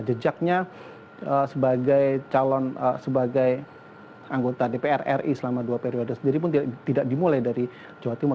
jejaknya sebagai calon sebagai anggota dpr ri selama dua periode sendiri pun tidak dimulai dari jawa timur